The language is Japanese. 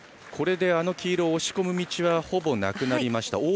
これであの黄色を押し込む形はほぼなくなりました。